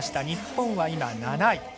日本は今、７位。